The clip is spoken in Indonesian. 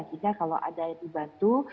sehingga kalau ada yang dibantu